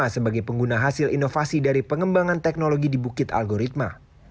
sebagai pengguna hasil inovasi dari pengembangan teknologi di bukit algoritma